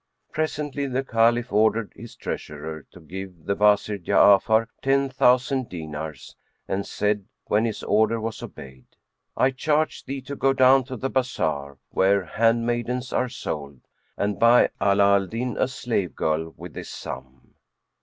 Presently the Caliph ordered his treasurer to give the Wazir Ja'afar ten thousand dinars and said when his order was obeyed, "I charge thee to go down to the bazar where handmaidens are sold and buy Ala Al Din, a slave girl with this sum."